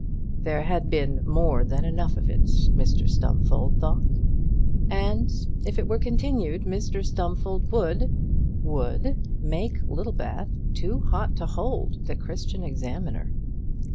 There had been more than enough of it, Mr Stumfold thought; and if it were continued, Mr Stumfold would would make Littlebath too hot to hold the Christian Examiner.